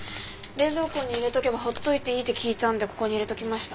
冷蔵庫に入れとけばほっといていいって聞いたんでここに入れときました。